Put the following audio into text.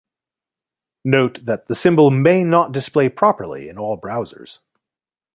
Note that the symbol may not display properly in all browsers.